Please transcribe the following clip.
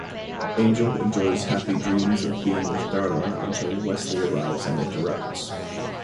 Angel enjoys happy dreams of being with Darla until Wesley arrives and interrupts.